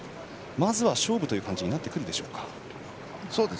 まずは勝負という感じになっていくでしょうか。